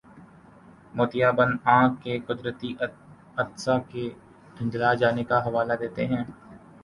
موتیابند آنکھ کے قدرتی عدسہ کے دھندلا جانے کا حوالہ دیتے ہیں